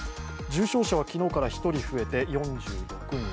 重症者は昨日から１人増えて４６人。